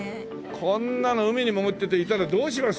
こんなの海に潜ってていたらどうします？